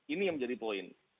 ini yang menjadi poin